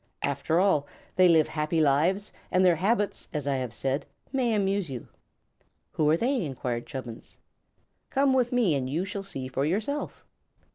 After all, they live happy lives, and their habits, as I have said, may amuse you. "Who are they?" enquired Chubbins. "Come with me, and you shall see for yourselves."